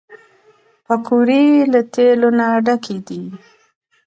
پکورې له تیلو نه ډکې دي